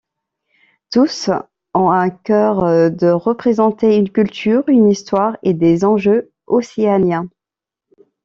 Tous ont à cœur de représenter une culture, une histoire et des enjeux océaniens.